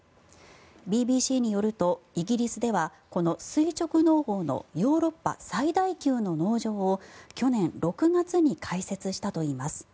ＢＢＣによるとイギリスでは、この垂直農法のヨーロッパ最大級の農場を去年６月に開設したといいます。